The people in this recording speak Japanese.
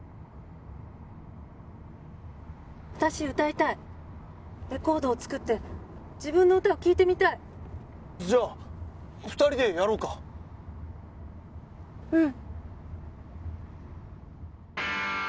私歌いたいレコードを作って自分の歌を聴いてみたいじゃ二人でやろうかうん！